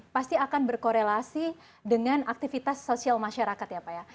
pasti akan berkorelasi dengan aktivitas sosial masyarakat ya pak ya